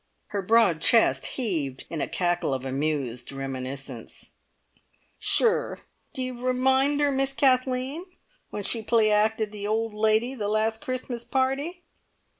Her broad chest heaved in a cackle of amused reminiscence. "Sure, d'ye reminder Miss Kathleen when she play acted the ould lady, the last Christmas party?"